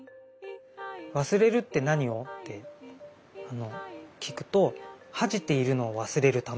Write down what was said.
忘れるって何を？って聞くと恥じているのを忘れるため。